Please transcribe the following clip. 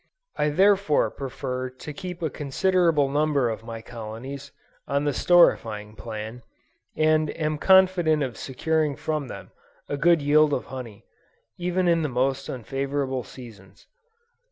I therefore prefer to keep a considerable number of my colonies, on the storifying plan, and am confident of securing from them, a good yield of honey, even in the most unfavorable seasons.